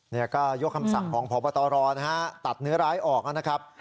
นี่ก็ยกคำสั่งของพบตรนะฮะตัดเนื้อร้ายออกนะครับ